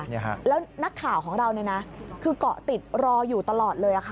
แล้วนักข่าวของเราก็เกาะติดรออยู่ตลอดเลย